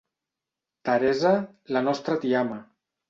Teresa, la nostra tiama.